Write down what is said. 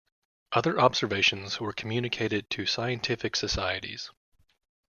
Other observations were communicated to scientific societies.